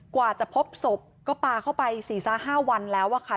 กว่าจะพบศพก็ปลาเข้าไป๔๕วันแล้วอะค่ะ